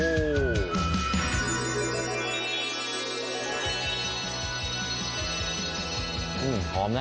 อืมหอมนะ